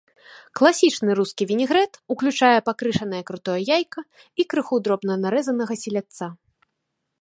Класічны рускі вінегрэт уключае пакрышанае крутое яйка і крыху дробна нарэзанага селядца.